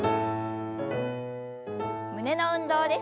胸の運動です。